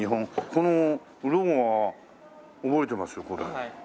このロゴは覚えてますよこれ。